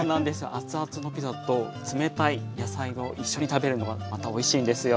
熱々のピザと冷たい野菜を一緒に食べるのがまたおいしいんですよ。